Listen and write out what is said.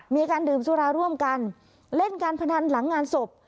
มีการดื่มสุราร่วมกันเล่นการพนันหลังงานศพ